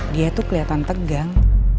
dia tuh keliatan tegang